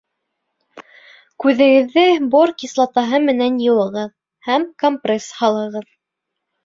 Күҙегеҙҙе бор кислотаһы менән йыуығыҙ һәм компресс һалығыҙ